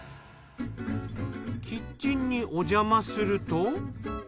キッチンにおじゃますると。